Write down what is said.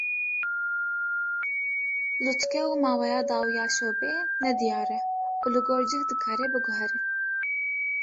Lûtke û maweya dawî ya şewbeyê nediyar e û li gor cih dikare biguhere.